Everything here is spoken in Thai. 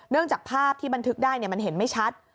เนื่องจากภาพที่บันทึกได้เนี่ยมันเห็นไม่ชัด